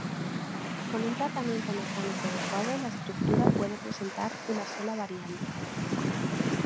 Con un tratamiento mecánico adecuado la estructura puede presentar una sola variante.